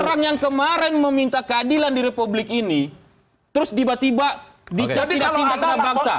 orang yang kemarin meminta keadilan di republik ini terus tiba tiba dicabut cinta terhadap bangsa